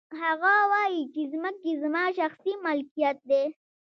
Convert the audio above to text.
هغه وايي چې ځمکې زما شخصي ملکیت دی